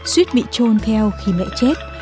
suýt bị trôn theo khi mẹ chết